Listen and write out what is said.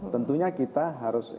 tentunya kita harus